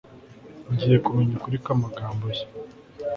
ngiye kumenya ukuri kw'amagambo ye